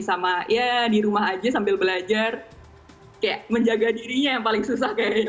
sama ya di rumah aja sambil belajar kayak menjaga dirinya yang paling susah kayaknya